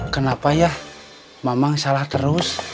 kenapa ya memang salah terus